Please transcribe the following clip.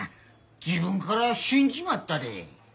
自分から死んじまったで。